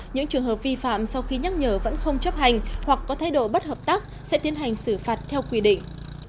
những trường hợp vi phạm sau khi nhắc nhở vẫn không chấp hành hoặc có thay đổi bất hợp tác sẽ tiến hành xử phạt theo quy định